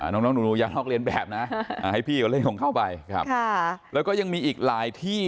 น้องอย่ามลอกรีนแบบพี่ก็เล่นของเข้าไป